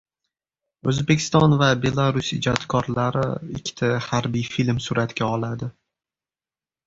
O‘zbekiston va Belarus ijodkorlari ikkita harbiy film suratga oladi